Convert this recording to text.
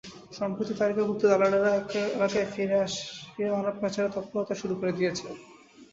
সম্প্রতি তালিকাভুক্ত দালালেরা এলাকায় ফিরে মানব পাচারের তৎপরতা শুরু করে দিয়েছে।